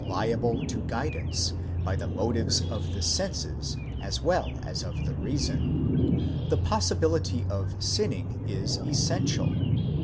liable to guidance by the motives of the senses as well as.of the reason, the . possibility of sinning is essential.